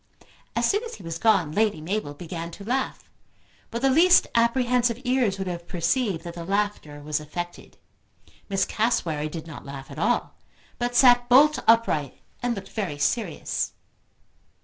As soon as he was gone Lady Mabel began to laugh, but the least apprehensive ears would have perceived that the laughter was affected. Miss Cassewary did not laugh at all, but sat bolt upright and looked very serious.